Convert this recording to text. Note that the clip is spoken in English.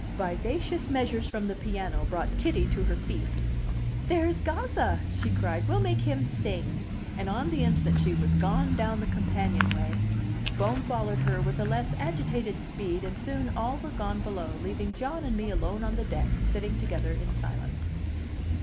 Vivacious measures from the piano brought Kitty to her feet. "There's Gazza!" she cried. "We'll make him sing!" And on the instant she was gone down the companionway. Bohm followed her with a less agitated speed, and soon all were gone below, leaving John and me alone on the deck, sitting together in silence.